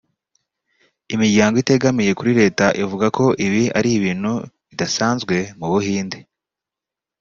Imiryango itegamiye kuri leta ivuga ko ibi ari ibintu bidasanzwe mu Buhinde